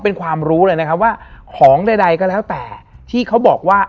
เป็นความรู้เลยนะครับว่าของใดก็แล้วแต่ที่เขาบอกว่า